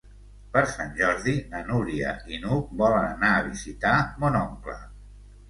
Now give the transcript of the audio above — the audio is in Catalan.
Per Sant Jordi na Núria i n'Hug volen anar a visitar mon oncle.